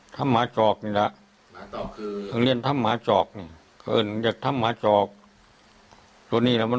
ทำหมาจอปนี้ละ